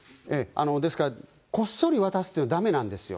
ですから、こっそり渡すというのはだめなんですよ。